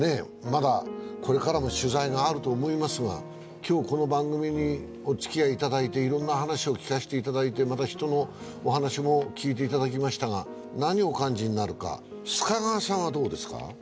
まだこれからも取材があると思いますが今日この番組におつきあいいただいていろんな話を聞かせていただいてまた人のお話も聞いていただきましたが何をお感じになるか須賀川さんはどうですか？